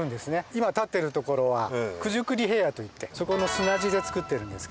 今立ってる所は九十九里平野といってそこの砂地で作ってるんですけどね。